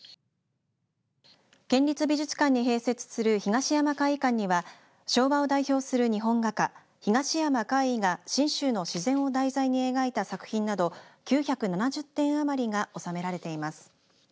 県立美術館に併設する東山魁夷館には昭和を代表する日本画家東山魁夷が信州の自然を題材に描いた作品など９７０点余りが納められています。